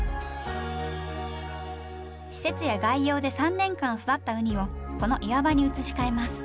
施設や外洋で３年間育ったウニをこの岩場に移し替えます。